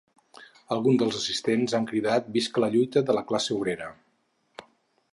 Alguns dels assistents han cridat visca la lluita de la classe obrera.